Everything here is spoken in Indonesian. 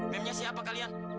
memnya siapa kalian